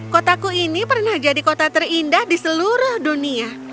kotaku ini pernah jadi kota terindah di seluruh dunia